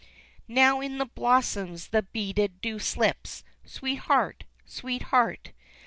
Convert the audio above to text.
Now in the blossoms the beaded dew slips, Sweetheart! Sweetheart!